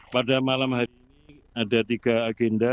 pada malam hari ada tiga agenda